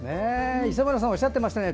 磯村さんおっしゃってましたね